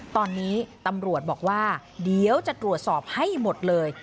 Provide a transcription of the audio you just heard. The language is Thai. ตอนนี้ตำรวจบอกว่าเดี๋ยวจะตรวจสอบให้หมดเลย